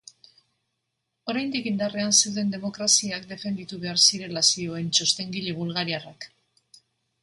Oraindik indarrean zeuden demokraziak defenditu behar zirela zioen txostengile bulgariarrak.